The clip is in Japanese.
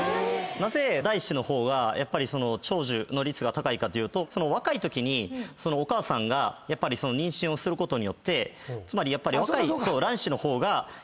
なぜ第一子の方が長寿の率が高いかというと若いときにお母さんが妊娠をすることによってやっぱり若い卵子の方が。